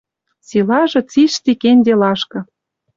Силажы цишти кен делашкы...